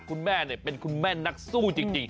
คุณแม่เป็นคุณแม่นักสู้จริง